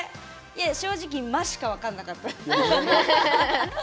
正直「マ」しか分からなかった。